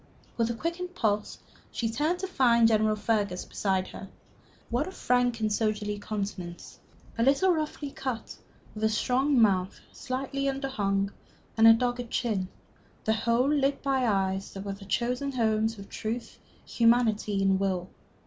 With a quickened pulse she turned to find General Fergus beside her. What a frank and soldierly countenance! a little roughly cut, with a strong mouth slightly underhung, and a dogged chin, the whole lit by eyes that were the chosen homes of truth, humanity, and will.